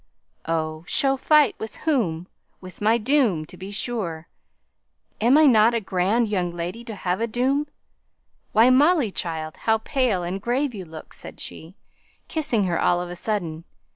oh! show fight with whom? why, my doom, to be sure. Am not I a grand young lady to have a doom? Why, Molly, child, how pale and grave you look!" said she, kissing her all of a sudden.